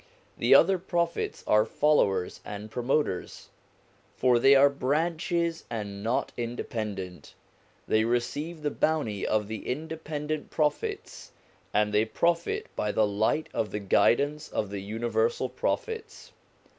The other Prophets are followers and promoters, for they are branches and not independent; they receive the Bounty of the independent Prophets, and they profit by the light of the Guidance of the universal Prophets.